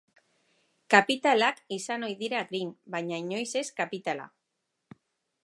Kapitalak izan ohi dira green, baina inoiz ez kapitala.